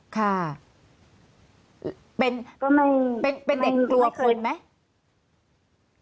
ค่ะเป็นเด็กกลัวคนไหม